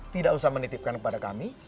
tidak usah menitipkan kepada kami